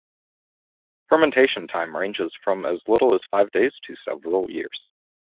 Fermentation time ranges from as little as five days to several years.